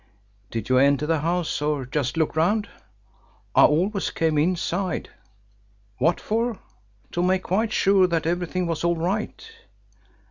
"Did you enter the house or just look round?" "I always came inside." "What for?" "To make quite sure that everything was all right."